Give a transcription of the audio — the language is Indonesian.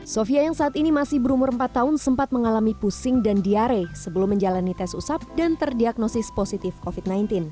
sofia yang saat ini masih berumur empat tahun sempat mengalami pusing dan diare sebelum menjalani tes usap dan terdiagnosis positif covid sembilan belas